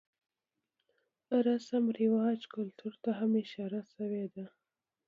رسم رواج ،کلتور ته هم اشاره شوې ده.